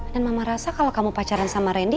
dan mama rasa kalau kamu pacaran sama randy